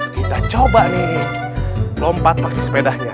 kita coba nih lompat pakai sepedanya